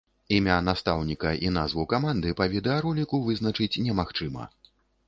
Імя настаўніка і назву каманды па відэароліку вызначыць немагчыма.